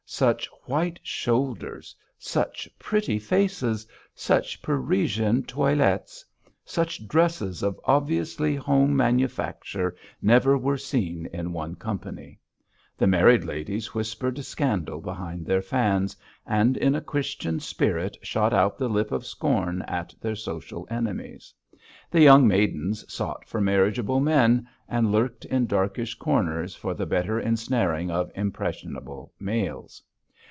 Such white shoulders! such pretty faces! such Parisian toilettes! such dresses of obviously home manufacture never were seen in one company. The married ladies whispered scandal behind their fans, and in a Christian spirit shot out the lip of scorn at their social enemies; the young maidens sought for marriageable men, and lurked in darkish corners for the better ensnaring of impressionable males.